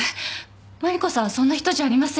麻里子さんはそんな人じゃありません。